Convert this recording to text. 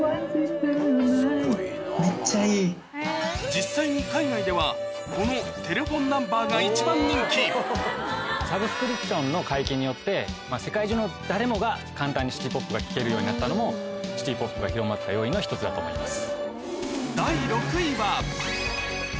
実際に海外ではこの『テレフォン・ナンバー』が１番人気によって世界中の誰もが簡単にシティポップが聴けるようになったのもシティポップが広まった要因の１つだと思います。